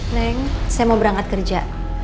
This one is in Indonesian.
neng saya mau berangkat kerja